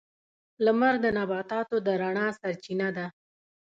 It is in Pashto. • لمر د نباتاتو د رڼا سرچینه ده.